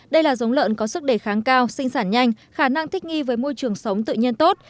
đây là giống lợn có sức đề kháng cao sinh sản nhanh khả năng thích nghi với môi trường sống tự nhiên tốt